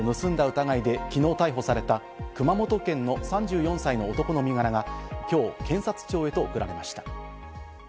疑いで昨日逮捕された熊本県の３４歳の男の身柄が今日、検察庁へと送られました。